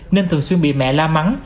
nên thường xuyên bị mẹ la mắng